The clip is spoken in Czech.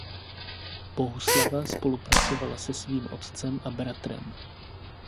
Bohuslava spolupracovala se svým otcem a bratrem.